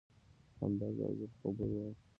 همدرد او زه په خبرو و.